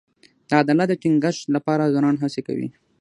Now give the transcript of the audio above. د عدالت د ټینګښت لپاره ځوانان هڅې کوي.